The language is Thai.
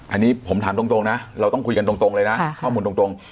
อันนี้ผมถามตรงนะเราต้องคุยกันตรงเลยนะข้อมูลตรง